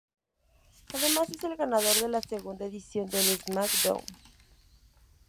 Además es el ganador de la segunda edición del SmackDown!